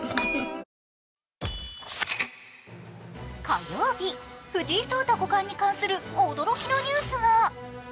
火曜日、藤井聡太五冠に関する驚きのニュースが。